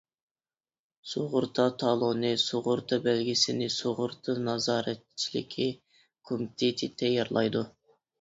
سۇغۇرتا تالونى، سۇغۇرتا بەلگىسىنى سۇغۇرتا نازارەتچىلىكى كومىتېتى تەييارلايدۇ.